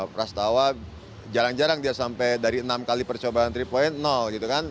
prastawa jarang jarang dia sampai dari enam kali percobaan tiga point gitu kan